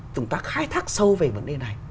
chúng ta khai thác sâu về vấn đề này